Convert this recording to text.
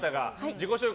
自己紹介